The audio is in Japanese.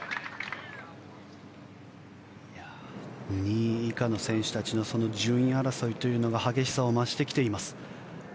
２位以下の選手たちの順位争いというのが激しさを増してきています。